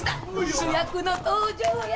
主役の登場や。